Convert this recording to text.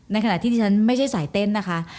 ในขณะที่ฉันไม่ใช่สายเต้นค่ะ